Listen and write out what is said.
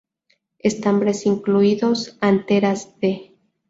Estambres incluidos; anteras de.